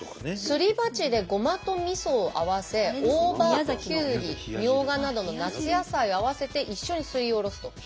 すり鉢でごまとみそを合わせ大葉きゅうりみょうがなどの夏野菜を合わせて一緒にすりおろすと。